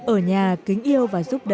ở nhà kính yêu và giúp đỡ cha mẹ